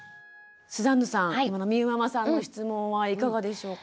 スザンヌさんみゆママさんの質問はいかがでしょうか？